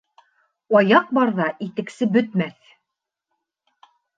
Аяҡ барҙа итексе бөтмәҫ.